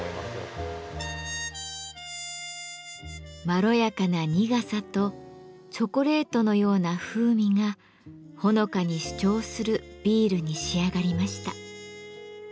まろやかな苦さとチョコレートのような風味がほのかに主張するビールに仕上がりました。